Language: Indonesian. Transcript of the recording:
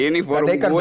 ini forum gue baru baru